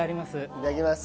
いただきます。